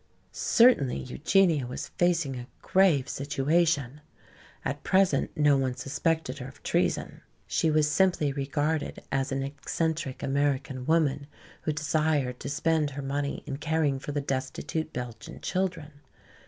Certainly Eugenia was facing a grave situation! At present no one suspected her of treason. She was simply regarded as an eccentric American woman, who desired to spend her money in caring for the destitute Belgian children.